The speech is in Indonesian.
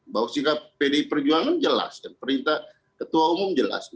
bahwa sikap pdi perjuangan jelas kan perintah ketua umum jelas